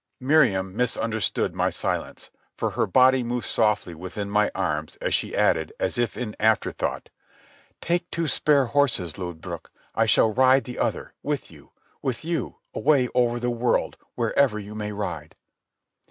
Miriam misunderstood my silence, for her body moved softly within my arms as she added, as if in afterthought: "Take two spare horses, Lodbrog. I shall ride the other ... with you ... with you, away over the world, wherever you may ride."